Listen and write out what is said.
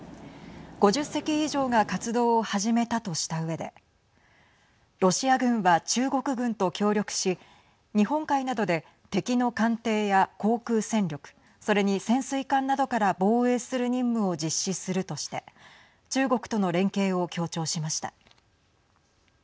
５０隻以上が活動を始めたとしたうえでロシア軍は、中国軍と協力し日本海などで敵の艦艇や航空戦力それに潜水艦などから防衛する任務を実施するとして中国との連携を強調しました。